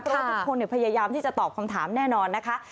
เพราะว่าทุกคนพยายามที่จะตอบคำถามแน่นอนนะคะ